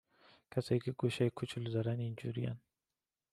کسایی که گوشای کوچولو دارن اینجورین